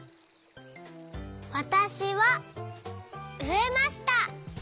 わたしはうえました。